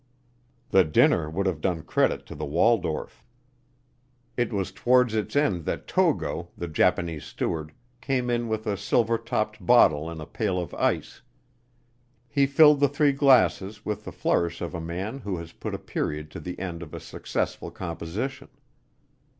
The dinner would have done credit to the Waldorf. It was towards its end that Togo, the Japanese steward, came in with a silver topped bottle in a pail of ice. He filled the three glasses with the flourish of a man who has put a period to the end of a successful composition.